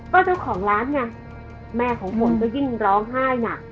ก็เจ้าของร้านไงแม่ของฝนก็ยิ่งร้องไห้หนัก